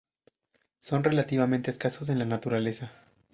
Son relativamente escasos en la naturaleza.